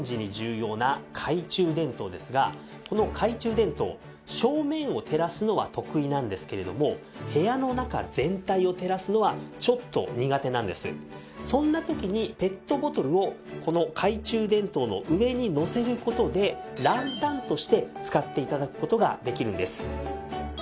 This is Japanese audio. この懐中電灯正面を照らすのは得意なんですけれどもそんな時にペットボトルをこの懐中電灯の上にのせる事でランタンとして使って頂く事ができるんです。